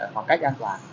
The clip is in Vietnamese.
khoảng cách an toàn